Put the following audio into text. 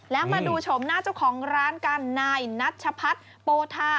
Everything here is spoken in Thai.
แล้วมาดูโฉมหน้าเจ้าของร้านกันนายนัชพัฒน์โปธา